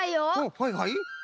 はいはい。